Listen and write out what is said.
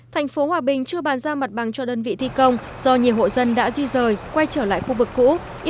thành phố hòa bình chưa bàn giao mặt bằng cho đơn vị thi công do nhiều hộ dân đã di rời quay trở lại khu vực cũ